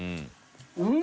うん。